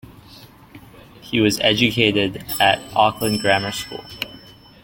He was educated at Auckland Grammar School.